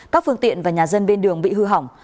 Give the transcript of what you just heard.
các phương tiện và nhà dân bên đường bị hư hỏng